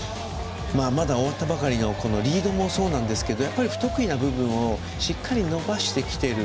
まだ終わったばかりのリードもそうなんですけどやっぱり不得意な部分をしっかり伸ばしてきている。